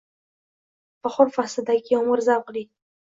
Bahor faslidagi yomg'ir zavqli